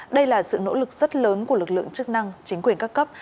đây là sự nỗ lực rất lớn của lực lượng chức năng chính quyền các cấp